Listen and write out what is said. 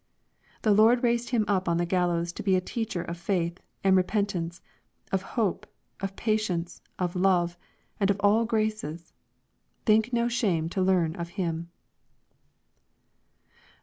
"—" The Lord raised him up on the gallows to be a teacher of faith and repentance, of hope, of patience, of love, and of all graces. Think no shame to learn of him."